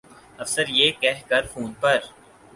افسر یہ کہہ کر فون پر